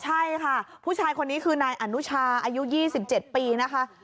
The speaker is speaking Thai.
ใช่ค่ะผู้ชายคนนี้คือนายอนุชาอายุ๒๗ปีนะคะ